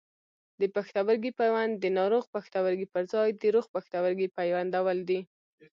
د پښتورګي پیوند د ناروغ پښتورګي پر ځای د روغ پښتورګي پیوندول دي.